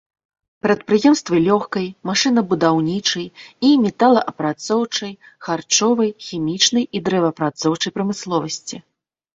Прадпрыемствы лёгкай, машынабудаўнічай і металаапрацоўчай, харчовай, хімічнай і дрэваапрацоўчай прамысловасці.